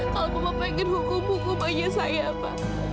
kalau bapak ingin hukum hukum ayah saya pak